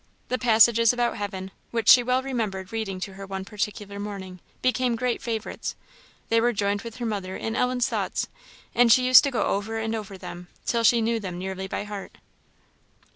The passages about heaven, which she well remembered reading to her one particular morning, became great favourites; they were joined with her mother in Ellen's thoughts; and she used to go over and over them till she nearly knew them by heart.